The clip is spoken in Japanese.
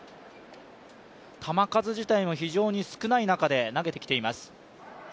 球数自体も非常に少ない中で投げてきています。